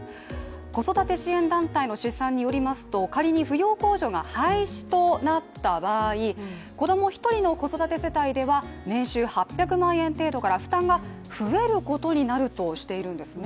子育て支援団体の試算によりますと、仮に扶養控除が廃止となった場合子供一人の世帯では年収８００万円程度から負担が増えることになるとしているんですね。